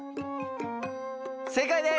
正解です！